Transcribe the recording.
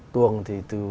tường thì từ